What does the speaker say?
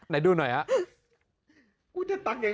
ไหนดูหน่อยน่ะ